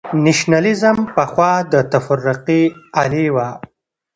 نېشنلېزم پخوا د تفرقې الې وه.